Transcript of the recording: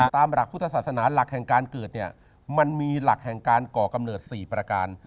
ตามหลักพุทธศาสนาหลักแห่งการเกิดเนี่ยมันมีหลักแห่งการก่อกำเนิด๔ประการ